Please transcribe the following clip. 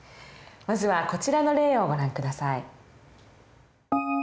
まずはこちらの例をご覧下さい。